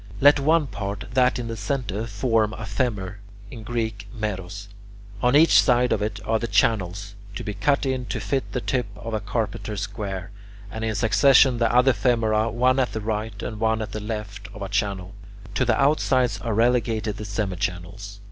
Let one part, that in the centre, form a "femur" (in Greek [Greek: meros]). On each side of it are the channels, to be cut in to fit the tip of a carpenter's square, and in succession the other femora, one at the right and the other at the left of a channel. To the outsides are relegated the semichannels.